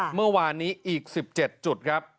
เมื่อวานนี้อีก๑๗จุดครับ